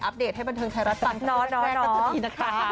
อัปเดตให้บรรเทิงไทยรัฐศักดิ์น้อน้อน้อ